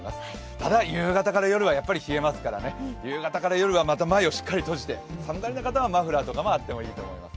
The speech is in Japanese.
ただ、夕方から夜はやっぱり冷えますからね夕方から夜は、また前をしっかりと閉じて寒がりの方はマフラーとかもあってもいいと思います。